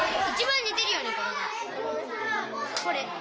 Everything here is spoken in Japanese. これ。